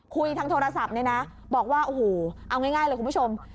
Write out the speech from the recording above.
คุยทางโทรศัพท์เนี่ยนะบอกว่าโอ้โหเอาง่ายเลยคุณผู้ชม